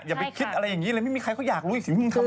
อย่าไปคิดอะไรอย่างนี้เลยไม่มีใครเขาอยากรู้สิมึงทำหรอก